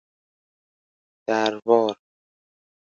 دروار